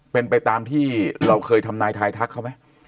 เป็นไปตามที่เราเคยทำนายทายทักเขาไหม